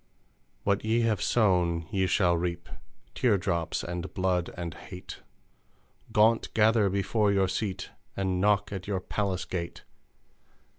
What ye have sown ye shall reap : Teardrops, and Blood, and Hate, Gaunt gather before your Seat And knock at your palace gate!